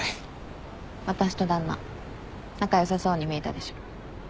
私と旦那仲良さそうに見えたでしょ。